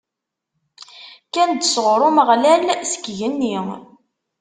Kkan-d sɣur Umeɣlal, seg igenni.